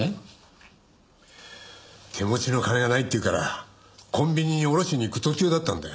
手持ちの金がないって言うからコンビニに下ろしに行く途中だったんだよ。